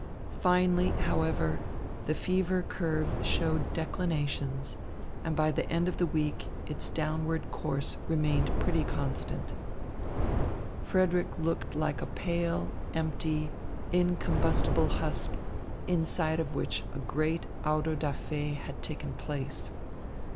Finally, however, the fever curve showed declinations, and by the end of a week its downward course remained pretty constant. Frederick looked like a pale, empty, incombustible husk, inside of which a great auto da fé had taken place.